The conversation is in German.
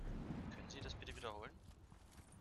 Können Sie das bitte wiederholen?